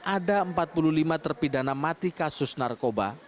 ada empat puluh lima terpidana mati kasus narkoba